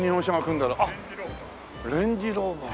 レンジローバー。